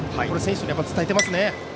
選手に伝えていますね。